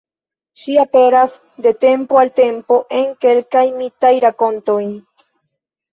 Ŝi aperas de tempo al tempo en kelkaj mitaj rakontoj.